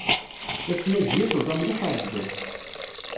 Tesnajya tuẓa mliḥ ɣer sdat.